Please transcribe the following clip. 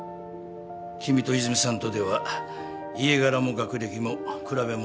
君と泉さんとでは家柄も学歴も比べものにならん。